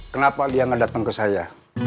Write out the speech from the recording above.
kenapa dia gak dateng ke saya